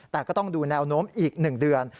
แต่ก็ต้องดูแนวโน้มอีก๑เดือน